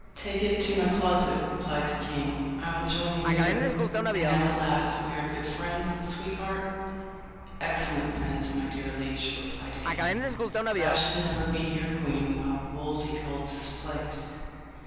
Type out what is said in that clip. "Take it to my closet," replied the king; "I will join you there. And now at last we are good friends, sweetheart." "Excellent friends, my dear liege," replied Anne; "but I shall never be your queen while Wolsey holds his place."